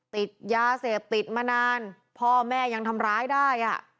ติดยาเสพติดมานานพ่อแม่ยังทำร้ายได้อ่ะ